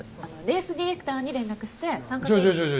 レースディレクターに連絡してちょちょちょ